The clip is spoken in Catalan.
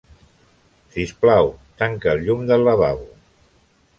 Sisplau, tanca el llum del lavabo.